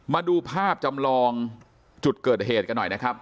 มาดูภาพจำลองจุดเกิดเหตุกันหน่อยนะครับ